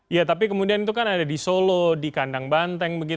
ya tapi kemudian itu kan ada di solo di kandang banteng